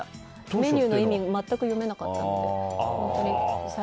メニューも全然読めなかったので。